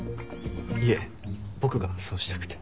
いえ僕がそうしたくて。